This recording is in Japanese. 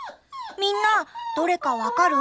みんなどれかわかる？